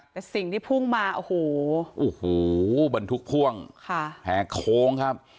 แต่สิ่งที่พุ่งมาโอ้โหโอ้โหบรรทุกพ่วงค่ะแหกโค้งครับ